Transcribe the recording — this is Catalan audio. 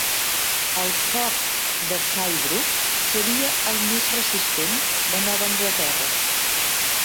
El fort de Saybrook seria el més resistent de Nova Anglaterra.